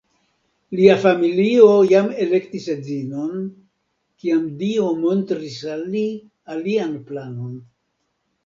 Lia familio jam elektis edzinon, kiam Dio montris al li alian planon.